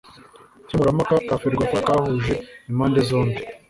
nkemurampaka ka ferwafa kahuje impande zombi